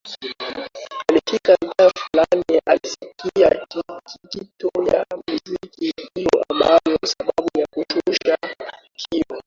Alipofika mitaa Fulani alisikia mikito ya muziki hiyo ndio sababu ya kushusha kioo